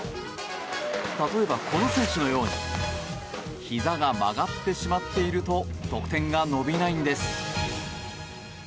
例えばこの選手のようにひざが曲がってしまっていると得点が伸びないんです。